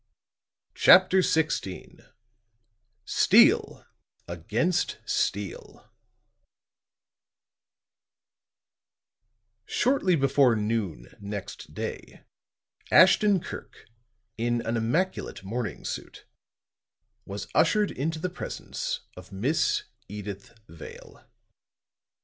CHAPTER XVI STEEL AGAINST STEEL Shortly before noon next day, Ashton Kirk, in an immaculate morning suit, was ushered into the presence of Miss Edyth Vale.